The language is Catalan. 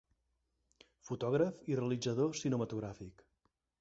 Fotògraf i realitzador cinematogràfic.